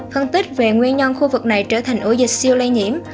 phân tích về nguyên nhân khu vực này trở thành ổ dịch siêu lây nhiễm